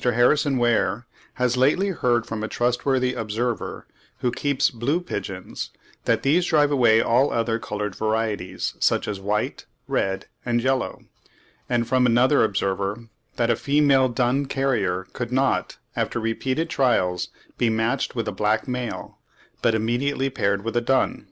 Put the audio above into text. Harrison Weir has lately heard from a trustworthy observer, who keeps blue pigeons, that these drive away all other coloured varieties, such as white, red, and yellow; and from another observer, that a female dun carrier could not, after repeated trials, be matched with a black male, but immediately paired with a dun.